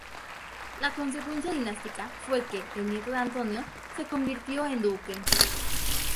La consecuencia dinástica fue que, el nieto de Antonio se convirtió en duque.